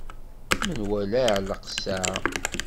Menwala iɛelleq ssaɛa.